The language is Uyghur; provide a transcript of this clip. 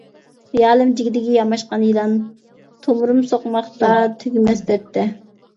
خىيالىم جىگدىگە ياماشقان يىلان، تومۇرۇم سوقماقتا تۈگىمەس دەردتە.